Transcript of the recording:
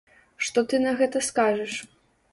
Што ты на гэта скажаш?